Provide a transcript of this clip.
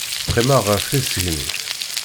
Qqimeɣ ɣef tisegnit.